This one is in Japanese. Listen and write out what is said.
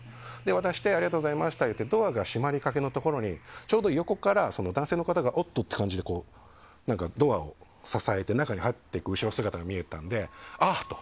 渡してありがとうございましたって言ってドアが閉まりかけのところにちょうど横から男性の方がおっとという感じでドアを支えて中に入っていく後ろ姿が見えたのであっと。